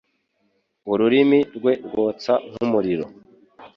ururimi rwe rwotsa nk’umuriro